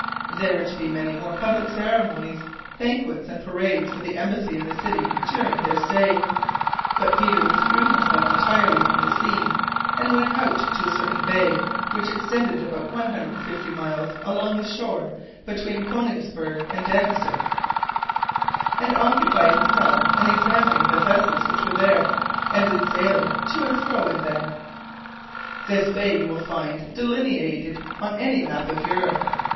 There were to be many more public ceremonies, banquets, and parades for the embassy in the city during their stay, but Peter withdrew himself entirely from the scene, and went out to a certain bay, which extended about one hundred and fifty miles along the shore between Konigsberg and Dantzic, and occupied himself in examining the vessels which were there, and in sailing to and fro in them. This bay you will find delineated on any map of Europe.